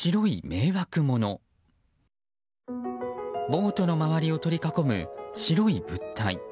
ボートの周りを取り囲む白い物体。